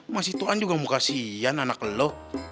mas ituan juga mau kasihan anak lo